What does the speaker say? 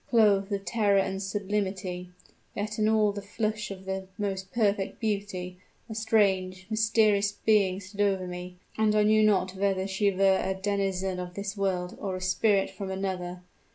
Clothed with terror and sublimity, yet in all the flush of the most perfect beauty, a strange mysterious being stood over me: and I knew not whether she were a denizen of this world, or a spirit risen from another.